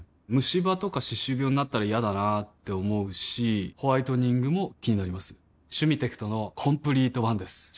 ムシ歯とか歯周病になったら嫌だなって思うしホワイトニングも気になります「シュミテクトのコンプリートワン」です